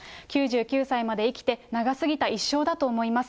９９歳まで生きて、長すぎた一生だと思います。